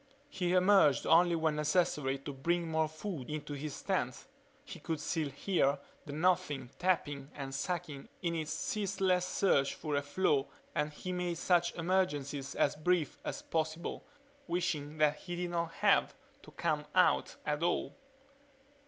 He emerged only when necessary to bring more food into his tent. He could still hear the Nothing tapping and sucking in its ceaseless search for a flaw and he made such emergences as brief as possible, wishing that he did not have to come out at all.